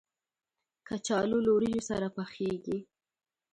کچالو له وریجو سره پخېږي